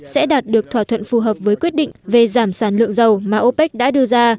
sẽ đạt được thỏa thuận phù hợp với quyết định về giảm sản lượng dầu mà opec đã đưa ra